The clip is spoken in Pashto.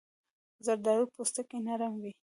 زردالو پوستکی نرم وي.